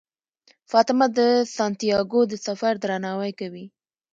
فاطمه د سانتیاګو د سفر درناوی کوي.